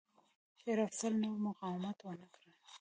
شېر افضل نور مقاومت ونه کړ.